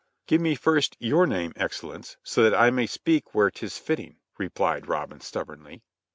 "Give me first your name, excellence, so that I may know I speak where 'tis fitting," said Little John, stubbornly.